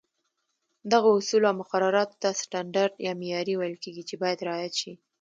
دغو اصولو او مقرراتو ته سټنډرډ یا معیار ویل کېږي، چې باید رعایت شي.